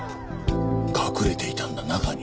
隠れていたんだ中に。